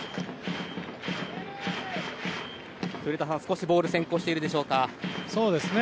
古田さん、少しボール先行しているでしょうか。